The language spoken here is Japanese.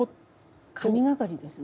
神がかりですね。